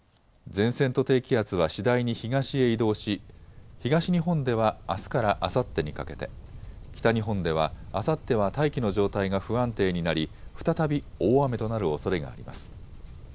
前線と低気圧は次第に東へ移動し、東日本では、あすからあさってにかけて、北日本ではあさっては大気の状態が不安定になり再び大雨となるおそれがあります。